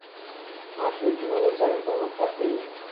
ماشوم چي منظم وي پرمختګ کوي.